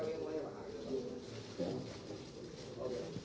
terima kasih pak